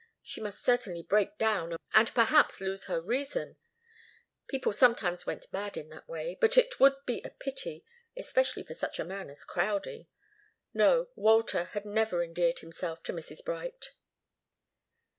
She must certainly break down, and perhaps lose her reason. People sometimes went mad in that way, but it would be a pity especially for such a man as Crowdie. No. Walter had never endeared himself to Mrs. Bright.